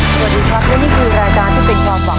สวัสดีครับและนี่คือรายการที่เป็นความหวัง